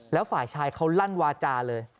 แล้วฝ่ายชายเขาลั่นวาจาเลย